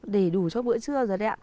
để đủ cho bữa trưa rồi đấy ạ